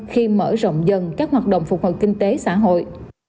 khi mở rộng dần các hoạt động phục hồi kinh tế xã hội